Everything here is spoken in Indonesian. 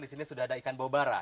di sini sudah ada ikan bobara ya